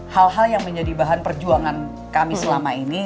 hal hal yang menjadi bahan perjuangan kami selama ini